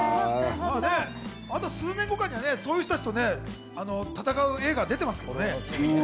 数年後かには、そういう人たちと戦う映画、出てますもんね。